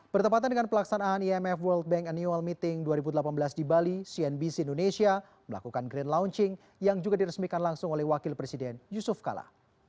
bertepatan dengan pelaksanaan imf world bank annual meeting dua ribu delapan belas di bali cnbc indonesia melakukan grand launching yang juga diresmikan langsung oleh wakil presiden yusuf kala